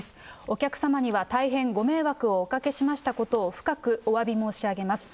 お客様には大変ご迷惑をおかけしましたことを、深くおわび申し上げます。